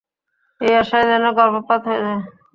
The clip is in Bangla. এই আশায় যেন গর্ভপাত হয়ে যায়।